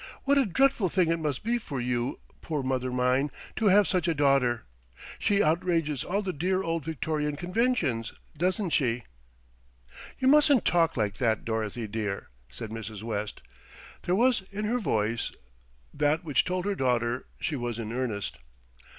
"What a dreadful thing it must be for you, poor mother mine, to have such a daughter! She outrages all the dear old Victorian conventions, doesn't she?" "You mustn't talk like that, Dorothy dear," said Mrs. West. There was in her voice that which told her daughter she was in earnest.